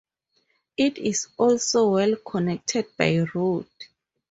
It is also well connected by road.